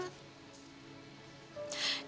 kita cerita eang